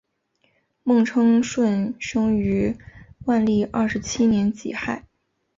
孟称舜生于万历二十七年己亥。